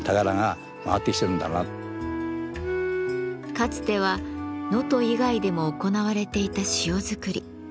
かつては能登以外でも行われていた塩作り。